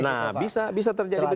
nah bisa bisa terjadi begitu